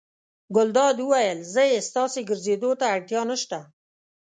ګلداد وویل: ځئ ستاسې ګرځېدو ته اړتیا نه شته.